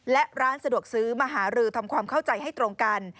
และร้านสะดวกซื้อมหารือทำความเข้าใจให้ตรงกัน